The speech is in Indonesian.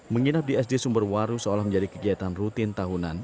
menginap di sd sumberwaru seolah menjadi kegiatan rutin tahunan